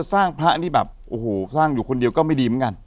พระนี่แบบโอ้โหสร้างอยู่คนเดียวก็ไม่ดีเหมือนกัน